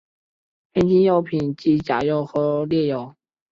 黑心药品即假药和劣药。